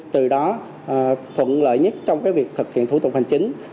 từ đó thuận lợi nhất trong việc thực hiện thủ tục hành chính